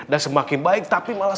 semakin baik tapi malah